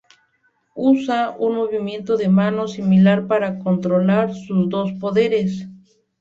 Usa un movimiento de manos similar para controlar sus dos poderes.